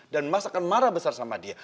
dan mas akan marah besar sama dia